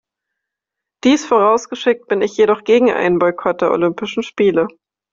Dies vorausgeschickt, bin ich jedoch gegen einen Boykott der Olympischen Spiele.